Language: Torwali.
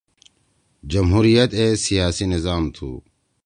جمہوریت اے سیاسی نظام تُھو۔